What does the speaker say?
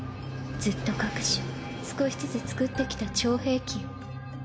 ずっと隠し少しずつ作ってきた超兵器を。